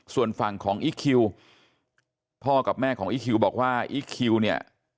ส่วนฝั่งของอีคคิวพ่อกับแม่ของอีคิวบอกว่าอีคคิวเนี่ย